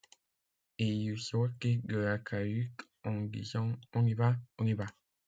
Et il sortit de la cahute en disant : On y va ! on y va !